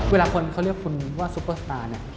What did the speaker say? เวลาคนเขาเรียกคุณว่าซุปเปอร์สตาร์เนี่ย